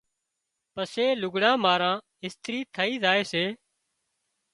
پسي لُگھڙان ماران اِسترِي ٿئي زائي سي۔